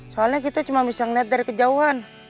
soalnya kita cuma bisa ngeliat dari kejauhan